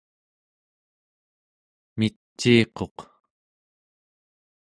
miciiquq